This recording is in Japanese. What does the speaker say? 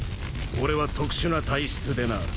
俺は特殊な体質でな。